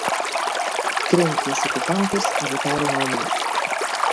Cren que os ocupantes a botaron ao mar.